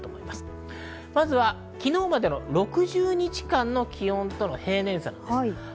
まずは昨日までの６０日間の気温との平年差です。